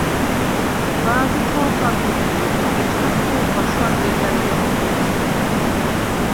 ბა̄ზი ჩვალსადგვმე̄ლიხ, ეჩქას ხო̄ქვა შვანე ჯა̈რი მათხვმის: